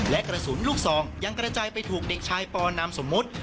และกระสุนลูกซองยังกระจายไปถูกเด็กชายปนามสมมุติ